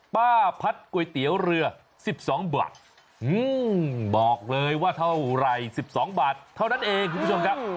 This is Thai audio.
ป้าพัดก๋วยเตี๋ยวเรือ๑๒บาทบอกเลยว่าเท่าไหร่๑๒บาทเท่านั้นเองคุณผู้ชมครับ